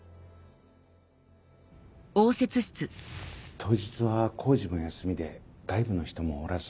当日は工事も休みで外部の人もおらず。